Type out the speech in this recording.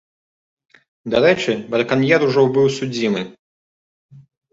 Дарэчы, браканьер ужо быў судзімы.